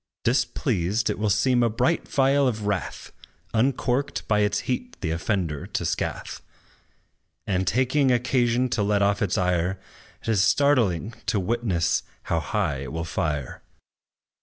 Displeased, it will seem a bright vial of wrath, Uncorked by its heat the offender to scath; And taking occasion to let off its ire, 'T is startling to witness how high it will fire.